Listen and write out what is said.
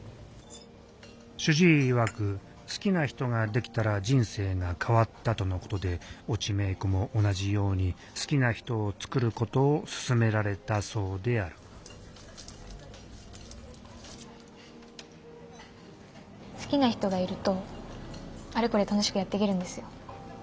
主治医いわく好きな人ができたら人生が変わったとのことで越智芽衣子も同じように好きな人をつくることを勧められたそうである好きな人がいるとあれこれ楽しくやっていけるんですよ。